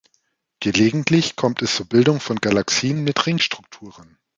Gelegentlich kommt es zur Bildung von Galaxien mit Ringstrukturen.